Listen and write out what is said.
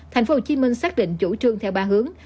thành phố hồ chí minh xác định chủ trương theo ba hướng